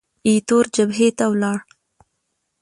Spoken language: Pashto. ایټور جبهې ته ولاړ.